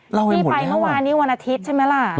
พี่ไปเมื่อวานนี้วันอาทิตย์ใช่ไหมล่ะ